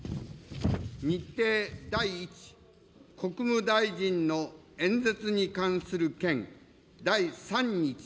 日程第１、国務大臣の演説に関する件、第３日。